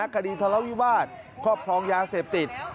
คดีทะเลาวิวาสครอบครองยาเสพติด